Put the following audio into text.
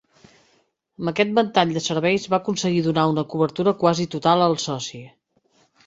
Amb aquest ventall de serveis va aconseguir donar una cobertura quasi total al soci.